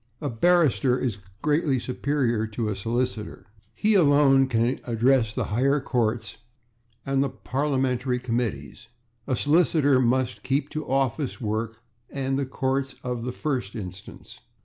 A barrister is greatly superior to a solicitor. He alone can address the higher courts and the parliamentary committees; a solicitor must keep to office work and the courts of first instance.